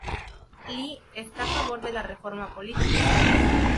Li está a favor de la reforma política.